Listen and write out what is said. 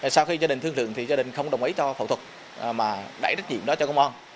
sau khi gia đình thương trường thì gia đình không đồng ý cho phẫu thuật mà đẩy trách nhiệm đó cho công an